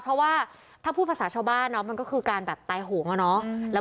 เพราะว่าถ้าพูดภาษาชาวบ้านเนาะมันก็คือการแบบตายโหงอะเนาะ